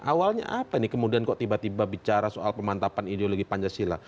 awalnya apa ini kemudian kok tiba tiba bicara soal pemantapan ideologi pancasila